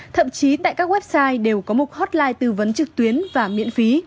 thậm chí tại các website đều có một hotline tư vấn trực tuyến và miễn phí